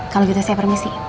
kalau gitu saya permisi